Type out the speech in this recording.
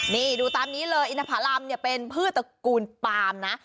นี่ดูตามนี้เลยอินทภารมเป็นพืชตระกูลปาล์มนะ